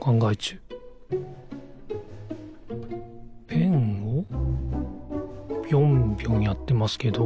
ペンをぴょんぴょんやってますけど。